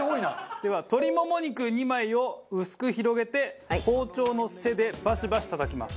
では鶏もも肉２枚を薄く広げて包丁の背でバシバシたたきます。